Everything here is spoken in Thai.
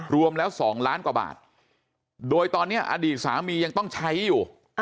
รวมแล้ว๒ล้านกว่าบาทโดยตอนนี้อดีตสามียังต้องใช้อยู่